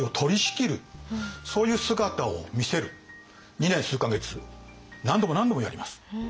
２年数か月何度も何度もやります。